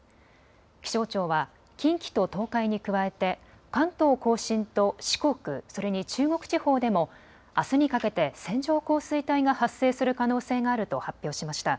気象庁は近畿と東海に加えて関東甲信と四国、それに中国地方でもあすにかけて線状降水帯が発生する可能性があると発表しました。